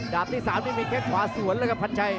ดาบที่สามนี่มีแค่ขวาส่วนแล้วกับพันชัย